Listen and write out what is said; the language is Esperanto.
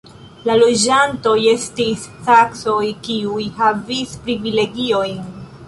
La loĝantoj estis saksoj, kiuj havis privilegiojn.